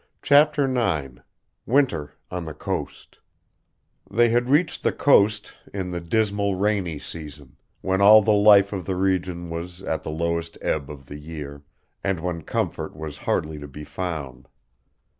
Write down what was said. CHAPTER IX WINTER ON THE COAST They had reached the coast in the dismal rainy season, when all the life of the region was at the lowest ebb of the year, and when comfort was hardly to be found.